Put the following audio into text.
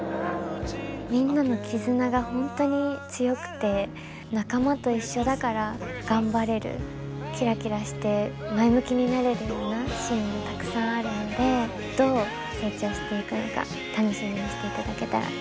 みんなの絆が本当に強くて仲間と一緒だから頑張れるキラキラして前向きになれるようなシーンもたくさんあるのでどう成長していくのか楽しみにしていただけたらうれしいです。